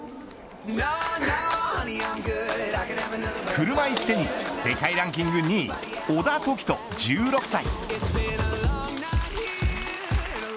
車いすテニス世界ランキング２位小田凱人１６歳。